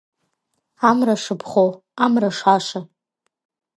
Амра шыԥхо, амра шаша…